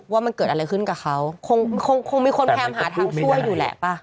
ว่ามันเกิดอะไรขึ้นกับเขาคงคงมีคนพยายามหาทางช่วยอยู่แหละป่ะ